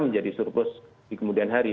menjadi surplus di kemudian hari